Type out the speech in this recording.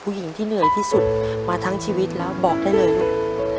ผู้หญิงที่เหนื่อยที่สุดมาทั้งชีวิตแล้วบอกได้เลยลูก